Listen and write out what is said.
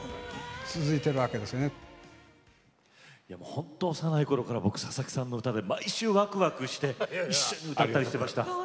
本当、幼いころからささきさんの歌で毎週わくわくして一緒に歌ったりしてました。